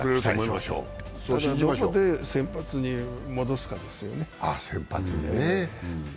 どこで先発に戻すかですよね。